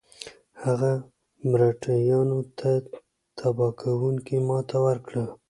هغه مرهټیانو ته تباه کوونکې ماته ورکړه.